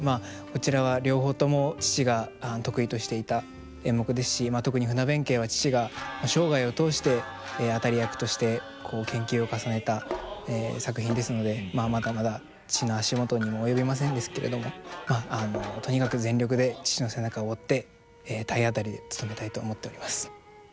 こちらは両方とも父が得意としていた演目ですし特に「船弁慶」は父が生涯を通して当たり役として研究を重ねた作品ですのでまだまだ父の足元にも及びませんですけれどもとにかく全力で父の背中を追って体当たりでつとめたいと思っております。